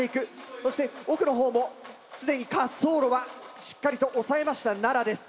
そして奥のほうも既に滑走路はしっかりとおさえました奈良です。